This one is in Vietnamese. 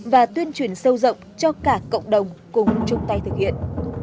và tuyên truyền sâu rộng cho cả cộng đồng cùng chung tay thực hiện